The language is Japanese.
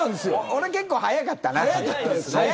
俺は結構早かったな。